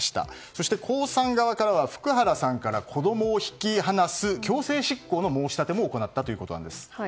そして、江さん側からは福原さんから子供を引き離す強制執行の申し立ても行ったということなんです。